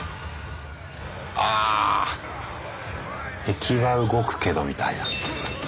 あ敵は動くけどみたいな。